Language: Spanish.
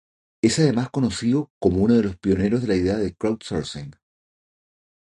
Es además conocido como uno de los pioneros de la idea de "crowdsourcing".